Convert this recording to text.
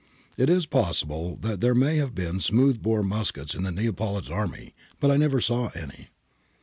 It is possible that there may have been smooth bore muskets in the Neapolitan army, but I never saw any.'